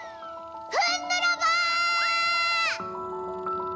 ふんぬらば！